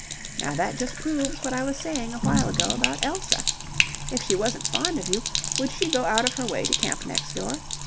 Now, that just proves what I was saying a while ago about Elsa. If she wasn't fond of you, would she go out of her way to camp next door?